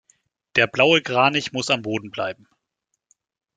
Der blaue Kranich muss am Boden bleiben.